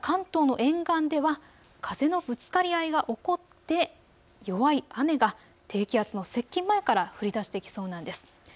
ただ関東の沿岸では風のぶつかり合いが起こって弱い雨が低気圧の接近前から降りだしてきそうなんです。